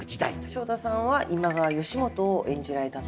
昇太さんは今川義元を演じられたと。